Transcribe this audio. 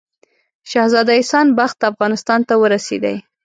شهزاده احسان بخت افغانستان ته ورسېدی.